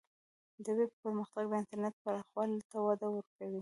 د ویب پرمختګ د انټرنیټ پراخوالی ته وده ورکوي.